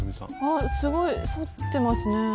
はいすごい沿ってますね。